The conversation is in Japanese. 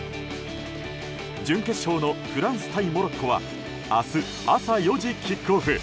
準決勝のフランス対モロッコは明日朝４時キックオフ。